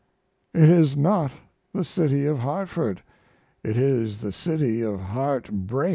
It is not the city of Hartford, it is the city of Heartbreak....